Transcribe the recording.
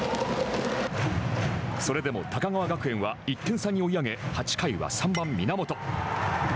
それでも高川学園は１点差に追い上げ８回は３番源。